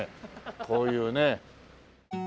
こういうね。